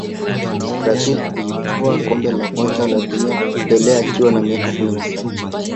brazil ilitwaa kombe la kwanza la dunia pele akiwa na miaka kumi na saba